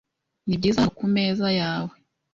Nibyiza hano kumeza yawe.